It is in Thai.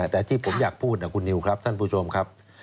แต่ที่ผมอยากพูดนะคุณนิวครับท่านผู้ชมครับ